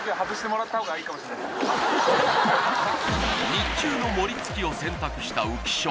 日中のモリ突きを選択した浮所